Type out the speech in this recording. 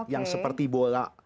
yang seperti bola